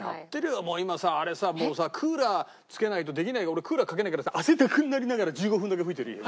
今さあれさもうさクーラーつけないとできないけど俺クーラーかけないからさ汗だくになりながら１５分だけ吹いてるよ。